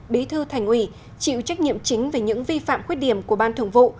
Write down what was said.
bí thư thành ủy chịu trách nhiệm chính về những vi phạm khuyết điểm của ban thường vụ